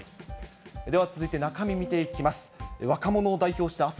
では続いて、中身、見ていきます。